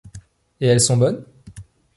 Et elles sont bonnes ?